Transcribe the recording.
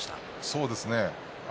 そうですね。